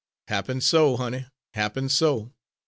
"Happen so, honey, happen so!